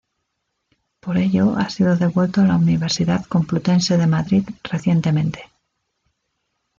Por ello ha sido devuelto a la Universidad Complutense de Madrid recientemente.